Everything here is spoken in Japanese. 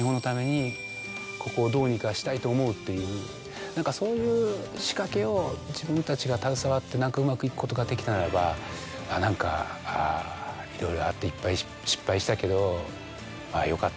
と思うっていう何かそういう仕掛けを自分たちが携わって何かうまくいくことができたならば何かいろいろあっていっぱい失敗したけど。